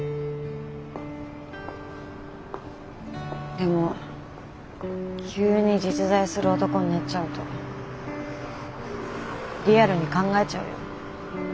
でも急に実在する男になっちゃうとリアルに考えちゃうよ。